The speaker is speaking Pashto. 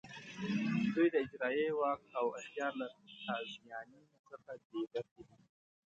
دوی د اجرایې واک او اختیار له تازیاني څخه بې برخې دي.